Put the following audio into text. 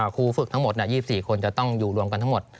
ครูฝึกทั้งหมด๒๔คนจะต้องอยู่รวมกันทั้งหมด